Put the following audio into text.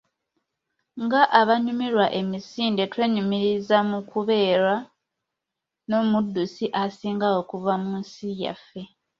Nga abanyumirwa emisinde, twenyumiriza mu kubeera n'omuddusi asinga okuva mu nsi yaffe.